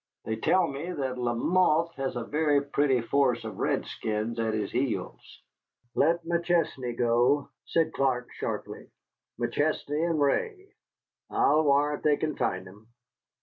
They tell me that Lamothe has a very pretty force of redskins at his heels." "Let McChesney go," said Clark sharply, "McChesney and Ray. I'll warrant they can find 'em."